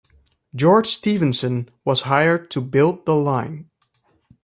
George Stephenson was hired to build the line.